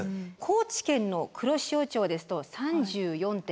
高知県の黒潮町ですと３４．４ｍ。